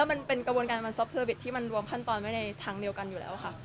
มันเป็นกระบวนการมันซอฟเซอร์วิสที่มันรวมขั้นตอนไว้ในทางเดียวกันอยู่แล้วค่ะ